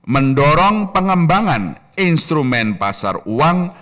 mendorong pengembangan instrumen pasar uang